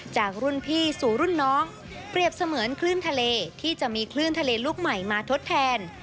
จากรุ่นพี่สู่รุ่นน้องเปรียบเสมือนคลื่นทะเลที่จะมีคลื่นทะเลลูกใหม่มาทดแทน